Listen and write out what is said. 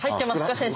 先生。